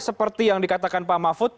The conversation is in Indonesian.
seperti yang dikatakan pak mahfud